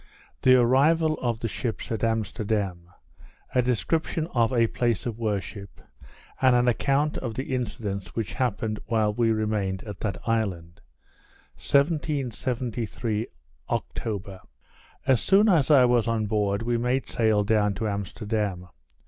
_The Arrival of the Ships at Amsterdam; a Description of a Place of Worship; and an Account of the Incidents which happened while we remained at that Island._ 1773 October As soon as I was on board, we made sail down to Amsterdam.